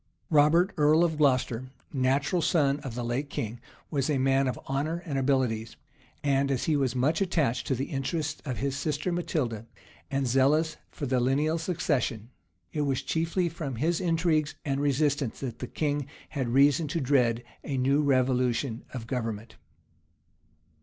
Robert, earl of Glocester, natural son of the late king, was a man of honor and abilities; and as he was much attached to the interests of his sister Matilda, and zealous for the lineal succession, it was chiefly from his intrigues and resistance that the king had reason to dread a new revolution of government.